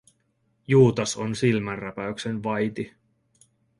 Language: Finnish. Juutas on silmänräpäyksen vaiti.